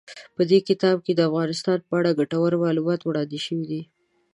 په دې کتاب کې د افغانستان په اړه ګټور معلومات وړاندې شوي دي.